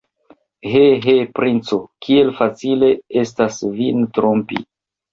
He, he, princo, kiel facile estas vin trompi!